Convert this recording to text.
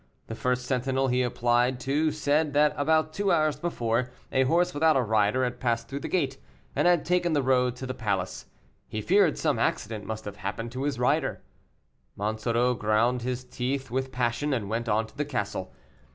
The first sentinel he applied to said that, about two hours before, a horse without a rider had passed through the gate, and had taken the road to the palace; he feared some accident must have happened to his rider. Monsoreau ground his teeth with passion, and went on to the castle.